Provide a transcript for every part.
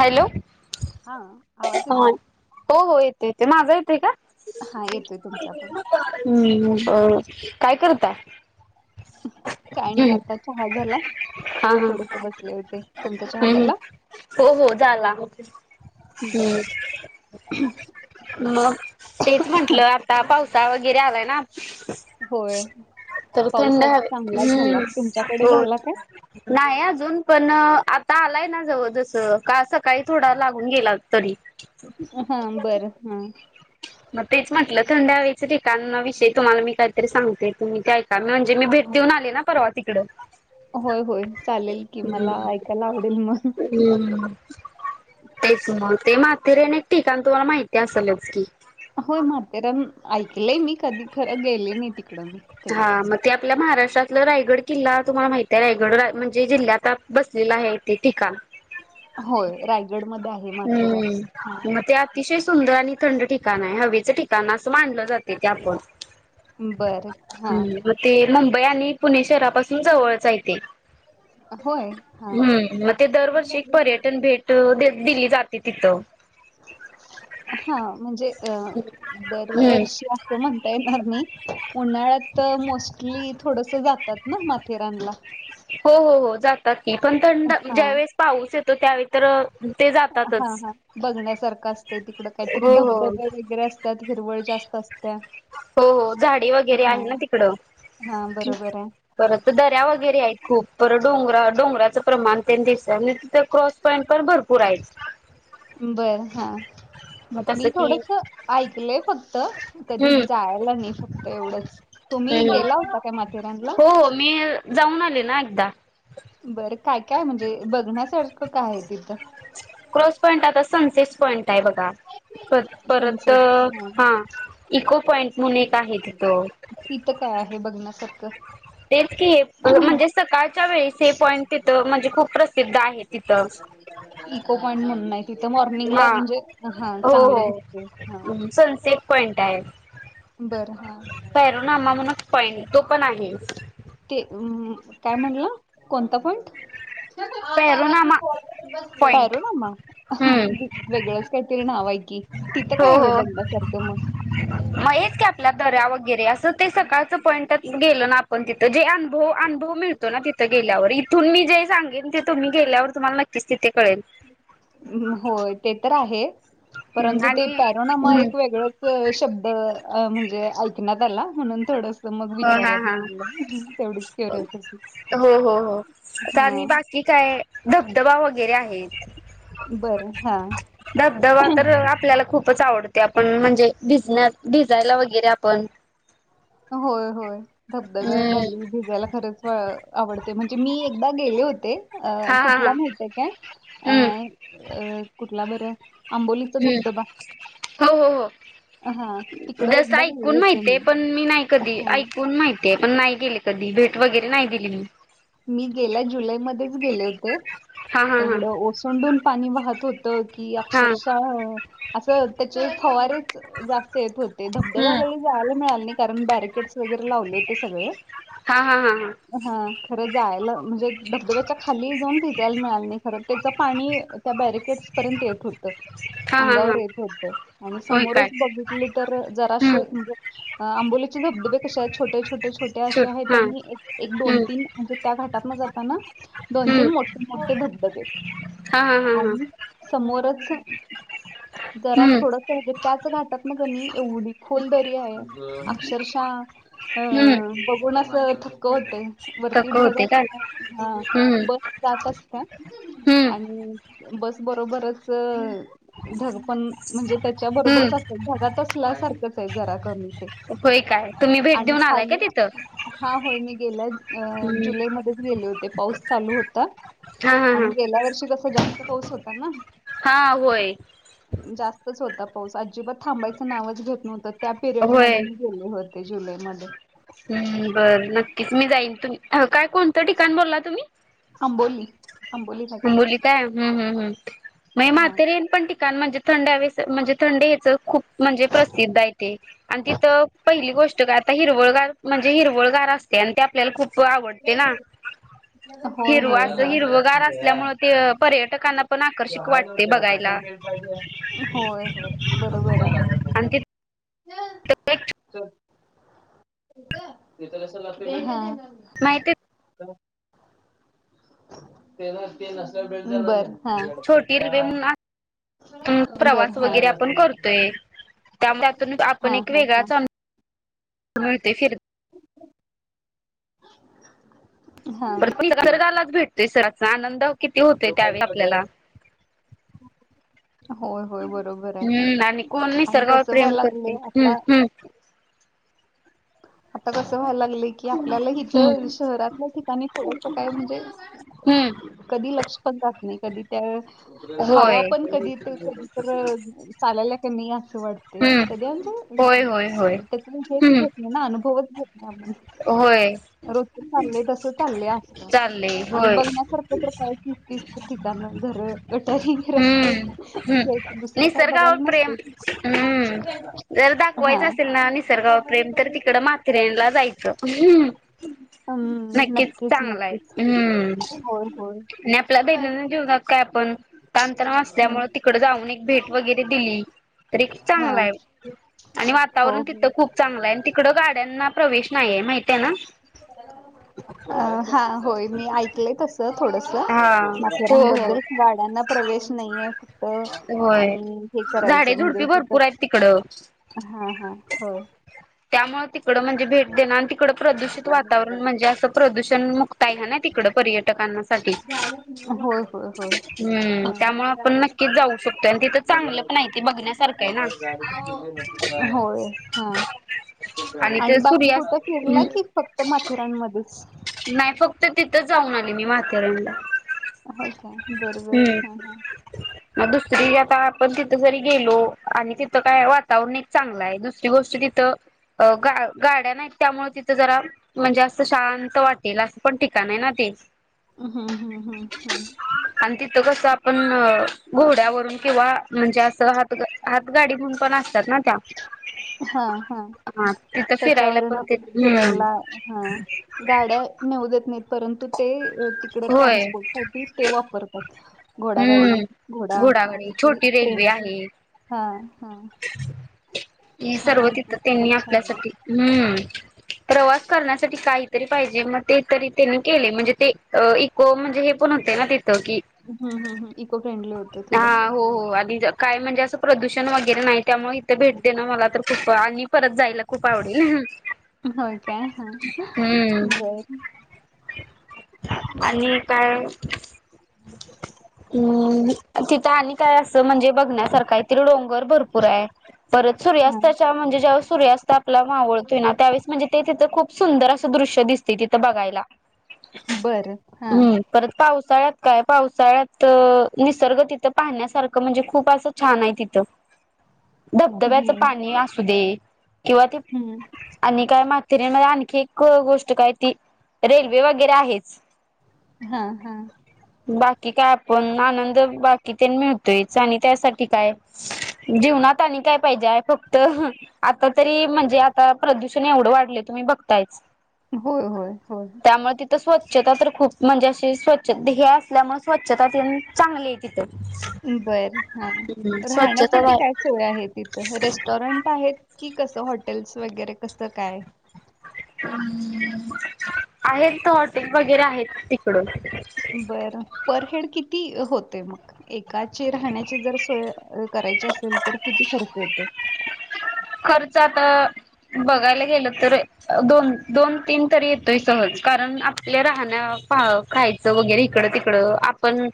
Hello. हा आवाज येतोय. हो-हो येते-येते माझा येते का? हा येतोय तुमचा पण हम्म ब काय करताय? काही नाही हम्म. आता चहा झाला थोडस बसले होते तुमचा चहा. हम् झाला हो हो झाला हम्. ह मग तेच म्हटलं आता पावसाळ वगैरे आलाय ना. होय थोडं पाऊस थंड आज हवेत चांगला झाला हम्म तुमच्याकडे हो. झाला काय नाही अजून पण आत''--'' ता आलाय ना जवळ जसं का सकाळी थोडा लागून गेला तरी. हा बरं हा. मग तेच म्हटलं थंड हवेचा ठिकाणा विषयी तुम्हाला मी काहीतरी सांगते तुम्ही ते ऐक ''--'' हा म्हणजे मी भेट देऊन आले ना परवा तिकड. होय-होय चालेल की मला ऐकायला आवडेल मग. हम्म तेच मग ते माथेरने एक ठिकाण तुम्हाला माहिती असेलच की. होय म्हथेरान ऐकलंय मी कधी खरं गेले नाही ती ''--'' हा मग. ते आपल्या महाराष्ट्रातलं रायगड किल्ला तुम्हाला माहित आहे रायगड म्हणजे जिल्ह्या आता बसलेला आहे इथे ठीका होय रायगडमध्ये आहे, माथेरान हा हम्म. मग ते अतिशय सुंदर आणि थंड ठिकाण आहे हवेचं ठिकाण असं मानलं जाते ते आपण. बरं हा हम्म. मग ते मुंबई आणि पुणे शहरापासून, जवळचय हाय ते होय हा हम्म मग ते दरवर्षी एक पर्यटन भेट दिली जाते तिथं. हा म्हणजे अ हम्म. दरवर्षी असं म्हणता येणार मी उन्हाळ्यात मोस्टली, थोडस जातात ना माथेरानला. हो-हो-हो जातात की पण थंड हां, ज्यावेेळेस पाऊस येतो, त्यावेळी तर ते जातातच. हा-हा बघण्यासारखं असत, तिकड काहीतरी हो हो. धबधबे वगैरे अस त्यात हिरवळ जास्त असत्या हो-हो झाडे वगैरे आहे ना तिकडं. हां, बरोबर आहे. हां. परत दऱ्या वगैरे आहेत खूप. परं डोंगरा डोंगराचं प्रमाण त्यांनी दिसत, म्ह तिथं क्रॉस पॉईंट पण भरपूर आहेच बर हा मग तसं मी की थोडस ऐकलय फक्त. कधी हम्म जायला नाही फक्त एवढंच तुम्ही हम्म गेला होता काय माथेरानला? हो हो मी जाऊन आले ना एकदा. बरं काय-काय म्हणजे बघण्यासारखं काय आहे तिथं? क्रॉस पॉईंट आता सनसेट पॉईंट आहे बघा. परत सनसेट हां. हा इको पॉइंट म्हणून एक आहे तिथं. तिथं काय आहे बघण्यासारखं? तेच की हे म्हणजे सकाळच्या वेळीस हे पॉईंट तिथं म्हणजे खूप प्रसिद्ध आहे तिथं. इको पॉइंट म्हणून नाही तिथं मॉर्निंगला हा म्हणजे हा हो चांगलं दिसते हा हो सनसेट! पॉईंट आहे. बरं हा. पॅरो नामा म्हण पॉईंट तो पण आहे. ते काय म्हणलं कोणता पॉईंट? पैरोनामा पॉइंट पॅरो नामा? हम्म वेगळंच काहीतरी नाव आहे, कि तिथं हो काय आहे हो बंगण्यासारखं मग? मग हेच की आपल्या दऱ्या वगैरे असं ते सकाळचं पॉईंटात गेल, ना आपण तिथं जे अनुभव-अनुभव मिळत तो ना तिथं गेल्यावर इथून मी जे सगेन ते तुम्ही, गेल्यावर तुम्हाला नक्कीच तिथे कळेल. होय ते तर आहे हम्म परंतु ते आणि पॅरोनामा हम्म एक वेगळं क शब्द म्हणजे, ऐकण्यात आला म्हणून थोडंस. मग हा विचारत, हा म्हणलं तेवढीच क्युरिसिटी. का आणि बाकी काय धबधबा वगैरे आहेत. बरं हा धबधबा तर आपल्याला खूप. खूपच आवडते आपण म्हणजे, भिझनेस भिजायला वगैरे आपण होय-होय हम्म धबधब्याखाली भिजायला. खरंच आवडते म्हणजे, मी एकदा गेले होते अ हा हा कुठला हा माहित, काय हम्म अ कुठला बरं? आंबोलीचा धबधबा हो-हो-हो हां. तिकडं जस एकदा गेले ऐकून होते माहित आहे पण मी नाही, कधी हां. ऐकून माहित ते पण नाही गेले कधी, भेट वगैरे नाही दिली. मी गेल्या जुलैमध्येच गेले होते, हा हा हा तेवढं ओसंडून पाणी वाहत होत. तो की हा अक्षरशः असं त्याचे फवारेच जास्त येत होते. ते हम्म धबधब्याखाली जायला मिळालं नाही कारण बॅरिकेड्स वगैरे लावले होते सगळे. हा, हा, हा, हा अ हा खरं जायला म्हणजे धबधब्याच्या खाली जाऊन भिजायला मिळाल नाय खरं त्याच पाणी त्या बॅरिकेड्स पर्यंत येत होतं. हा हा हा अंगावर येत हा होतं आणि होय समोरच काय बघितलं तर हम्म जराशे म्हणजे अ आंबोलीचे धबधबे कसे आहेत छोटे छोटे छोटे असे छुट आहेत हा आणि एक एक दोन हम्म तीन म्हणजे त्या घाटातन जाताना दोन हम्म तीन मोठे मोठे धबधबे हा हा आहेत हा हा आणि समोरच जरा हम्म थोडं म्हणजे त्याच घाटात ना क णी एवढी खोल दरी आहे अक्षरशः अ हम्म अ बघून असं थक्क होतंय. वरती तक ढग होते काय असतात हा हम्म ढग जात असत्या हम्म आणि बस बरोबरच ढग पण म्हणजे त्याच्या बरोबरच हम्म असत्यात ढगाात असल्यासारखंच आहे जरा कमी ते होय काय तुम्ही भेट आणि देऊन आलाय खाली का तिथं हा होय मी गेलाय अ हम्म जुलैमध्येच गेले होते पाऊस चालू होता हा हा आणि हा हे गेल्या वर्षी कसं जास्त पाऊस होता ना हा होय. जास्तच होता पाऊस अजिबात थांबायचं नावच घेत नव्हता त्या पिरियड मध्ये होय मी गेले होते जुलै मध्ये हम्म बरं नक्कीच मी जाईन तुम्ही काय कोणतं ठिकाण बोलला तुम्ही आंबोली आंबोली घाट आंबोली काय हूं हूं हूं नाय हा माथेरान पण ठिकाण म्हणजे थंड हवे म्हणजे थंड ह्याच खूप म्हणजे प्रसिद्ध हाय ते आणि तिथं पहिली गोष्ट काय आता हिरव हिरवळगार म्हणजे हिरवळगार असते आणि ते आपल्याला खूप आवडते ना होय हिरवं होय असं होय हिरवगार असल्यामुळ ते पर्यटकांना पण तो आकर्षिक हाय ना वाटतंय तो बघायला. कशाला बेल्ट होय होय बरोबरय. आणि [unintelligible] तिथ एक हा नाय ते कवा त्यानंचं केल [unintelligible] बरं छोटी रिबीन म्हणा हम बर प्रवास हा काय वगैर आपण नसते करतोय त्या त्यातून हा आपण एक हा हा वेगळाच अनुभ हं फीर- हा निसर्गालाच भेटतोय सर आनंद किती होतोय जो त्यावेळी पाहिजे तो आपल्याला बेल्ट होय होय बरोबर आहे हम्म आणि कोण आणि निसर्गावर कसं प्रेम व्हायला करतय लागले हम्म आता हम्म आता कसं व्हायला लागलंय की आपल्याला इथं हम्म शहरातल्या ठिकाणी थोडसं काय म्हणजे [unintelligible] कधी लक्ष पण जात नाय कधी तर होय हवा पण कधी येतय कधी तर चालायला क नी असं वाटतय हम्म कधी म्हणजे होय होय होय. तेच [unintelligible] हम्म घेत नाय ना अनुभव चं घेत हा मग होय रुटीन चाललंय तसं चाललंय असतं चालले आणि होय बघण्यासारखं तू तर काय फिरतीस ते ठिकाणं घर [unintelligible] रस्ते हम्म हम्म घ्यायचं नु निसर्गावर प्रेम हम्म जर हा दाखवायचं असेल ना निसर्गावर प्रेम तर तिकडं माथेरेनला जायचं. हम्म नक्कीच चांगलं हाय नक्कीच हम्म. होय होय आणि आपला दैनंदिन जीवनात काय आपण ताणतणाव हा असल्यामुळे तिकडे जाऊन एक भेट वगैरे दिली. तरी हा चांगलं आहे आणि हो वातावरण तिथं हो खूप चांगलं आहे त इकडं गाड्यांना प्रवेश नाहीये माहित आहे ना?? अ हा होय मी ऐकले तसं थोडस हा. हो हो माथेरानबद्दल गाड्यांना प्रवेश नाहीे फक्त होय आणि हे झाडे करायचं झुडपी म्हणजे तिथ भरपूर आहेत तिकडं. हा हा होय. त्यामुळे तिकड म्हणजे भेट देण आणि तिकड प्रदूषित वातावरण म्हणजे असं प्रदूषण मुक्त आहे ह ना तिकड पर्यटकांसाठी होय होय होय हम्म हम् त्यामुळे आपण नक्कीच जाऊ शकतो आणि तिथं चांगलं पण बघण्यासारखं आहे ना होय ह आणि ते बाकी कुठ सूर्यास्त फिरला की फक्त माथेरानमध्येच नाही फक्त तिथं जाऊन आली मी माथेरानला. हो का बरोबर हा हा. ह. मग दुसरी आता आपण तिथं जरी गेलो आणि तिथं काय वातावरण एक चांगलं आहे दुसरी गोष्ट तिथं अ गा गाड्या नाही त्यामुळे तिथं जरा म्हणजे असं शांत वाटेल असं पण ठिकाण आहे ना ते हा हम हा हम. आणि तिथं कस आपण घोड्यावरून किंवा म्हणजे असं राह हात गाडी म्हून पण असतात ना त्या. हा तिथं फिरायला त्याच्यावरन पण हम्. फिरायला हा गाड्या नेऊ देत नाहीत परंतु ते तिकडं होय ट्रान्सपोर्ट साठी हे वापरतात घोडा गाडी घोडा. घोडा गाडी आणि ती छोटी रेल्वे ट्रेन आहे. हा हा. हे छान सर्व आहे की तिथं त्यांनी खरंच छान आहे आपल्यासाठी हम्म. प्रवास करण्यासाठी काहीतरी पाहिजे मग ते तरी त्यांनी केले म्हणजे ते हो म्हणजे हे पण होते ना तिथं की ह् ह ह इको फ्रेंडली होते हा थोडसं. हो हो आणि काय म्हणजे असं प्रदूषण वगैरे नाही त्यामुळे इथं भेट देणं मला तर खूप आणि परत जाय खूप आवडेल होय काय हा हम्. बर आणि काय हम्. तिथं आणि काय असं म्हणजे बघण्यासारखही ततरी डोंगर भर पोर आहेत परत हा सूर्यास्त म्हणजे ज्या वेळेस सूर्यास्त ला मावळतोय ना त्यावेळेस म्हणजे ते तिथं खूप सुंदर असं दृश्य दिसते तिथं बघायला. बरं हा. हम्म परत पावसाळ्यात काय पावसाळ्यात निसर्ग तिथं पाहण्यासारखं म्हणजे खूप असं छान आहे तिथं. धबधब्याचं हम्म पाणी असू दे किंवा ते हम्म. आणि काय माथेरीमध्ये आणखी एक गोष्ट काय ती रेल्वे वगैरे आहेच. हा हा. बाकी काय आपण आनंद बाकी ते मिळतोयच आणि त्यासाठी काय जीवनात आणि काय पाहिजेय फक्त आता तरी म्हणजे आता प्रदू एवढं वाढलय तुम्ही बघतायच होय होय होय. त्यामुळे तिथं स्वच्छता तर खूप म्हणजे अशी स्वच्छ हे असल्यामुळे स्वच्छता त चांगली. बर हा ह् स्वच्छ राहण्यासाठी काय सोय आहे तिथं रेस्टॉरंट आहेत की कसं हॉटेल्स वगैरे कसं काय? हम् आहेत त हॉटेल वगैरे आहेत तिकडून बरं पर हेड किती होते मग. एकाचे राहण्याची जर सोय करायची असेल तर किती खर्च येतो. खर्च आता बघायला गेलं तर दोन दोन तीन तरी येतोय सहज कारण आपल्या राहण्या खायचं वगैरे इकडं तिकडं आपण.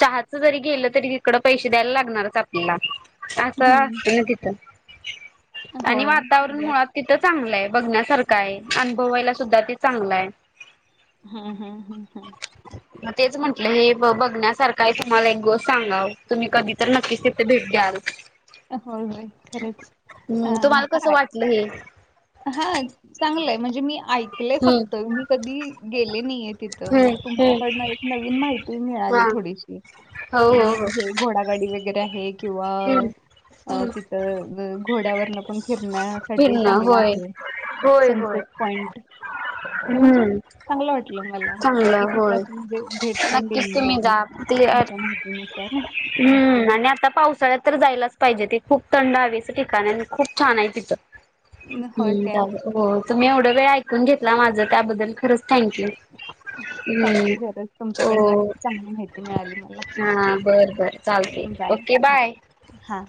चहाच जरी गेलं तरी तिकड पैसे द्यायला लागणारच आपल्याला असं हं. असतं ना तिथं. आणि होय. वातावरण बरं. मुळात तिथं चांगलाय बघण्यासारखाय अनुभवायला सुद्धा ते चांगलाय. हा हा. मग तेच म्हटलं हे बघण्यासारखाय तुम्हाला एक गोष्ट सांगाव तुम्ही कधी. तर नक्कीच तिथे भेट घ्या. होय होय खरंच. हम्म तुम्हाला कसं वाटलं हे. हा चांगलंय म्हणजे मी. ऐकलंय फक्त हम्म मी कधी गेले नाहीये तिथं हम्म मग हम्म तुमच्याकडनं एक नवीन माहिती हा मिळाली थोडीशी हो कि हो हो हे घोडागाडी वगैरे आहे. हम्म किंवा हम्म तिथं घोड्यावरन पण फिरण्यासाठी फिरणं चांगला आहे. होय होय होय. सनसेट पॉइंट हे म्हणजे हम्म चांगलं वाटलं मला नक्की चांगलं तिथं होय असं म्हणजे भेट पण नक्कीच देईन तुम्ही बघू जा. ते तुमच्या माहितीनुसार ओके हम्म आणि आता पावसाळ्यात तर जायलाच. पाहिजे ते खूप थंड हवेच ठिकाण आणि खूप छान आहे तिथं. होय काय हो तुम्ही एवढं वेळ ऐकून घेतला माझं त्याबद्दल खरंच थँक्यू. थँक हम्म खरच तुमच्याकडनं हो चांगली माहिती मिळाली मला ओके. चालतय ओके बाय. हां